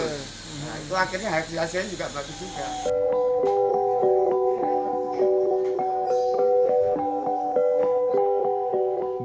nah itu akhirnya hasil hasilnya juga bagus juga